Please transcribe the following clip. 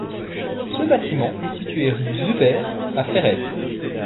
Ce bâtiment est situé rue Zuber à Ferrette.